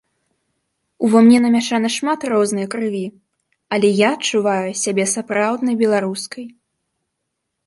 Ува мне намяшана шмат рознай крыві, але я адчуваю сябе сапраўднай беларускай.